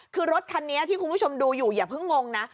คือรถคันนี้ที่คุณผู้ชมดูอยู่อย่าเพิ่งงงนะ